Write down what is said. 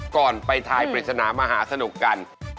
ก่อนไปทายปริศนามหาสนุกกัน